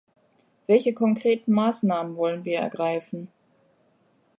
Welche konkreten Maßnahmen wollen wir ergreifen?